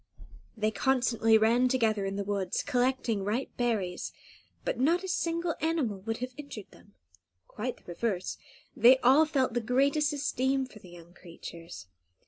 They constantly ran together in the woods, collecting ripe berries; but not a single animal would have injured them; quite the reverse, they all felt the greatest esteem for the young creatures.